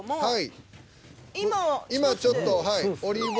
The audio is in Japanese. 今ちょっとはい。